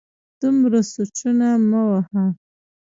دومره سوچونه مه وهه